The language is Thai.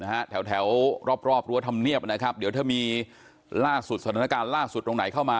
นะฮะแถวแถวรอบรอบรั้วธรรมเนียบนะครับเดี๋ยวถ้ามีล่าสุดสถานการณ์ล่าสุดตรงไหนเข้ามา